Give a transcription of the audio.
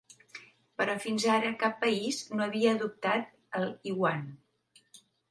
Però fins ara cap país no havia adoptat el iuan.